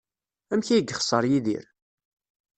Amek ay yexṣer Yidir?